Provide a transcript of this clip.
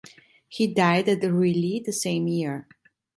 He died at Reuilly the same year.